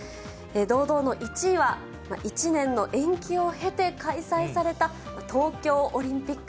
堂々の１位は、１年の延期を経て開催された東京オリンピック。